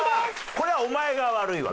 これはお前が悪いわ。